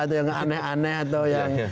atau yang aneh aneh atau yang